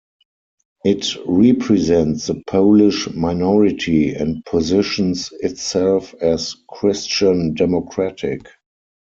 It represents the Polish minority and positions itself as Christian democratic.